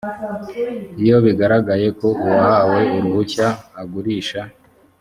iyo bigaragaye ko uwahawe uruhushya agurisha